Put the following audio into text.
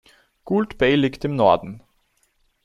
Gould Bay liegt im Norden.